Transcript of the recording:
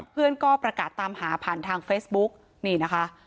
เพื่อนก็ประกาศตามหาผ่านทางเฟซบุ๊กนี่นะคะ